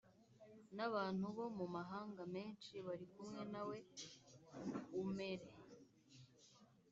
n abantu bo mu mahanga menshi bari kumwe nawe umere